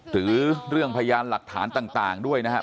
หรือเรื่องพยานหลักฐานต่างด้วยนะครับ